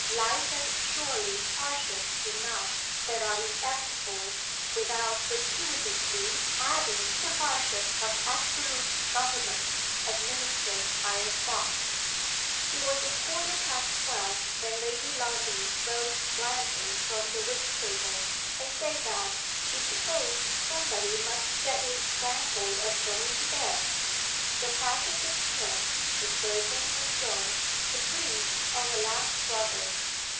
Life has surely hardships enough that are inevitable without gratuitously adding the hardship of absolute government, administered by a clock? It was a quarter past twelve when Lady Lundie rose blandly from the whist table, and said that she supposed somebody must set the example of going to bed. Sir Patrick and Smith, the surgeon and Jones, agreed on a last rubber.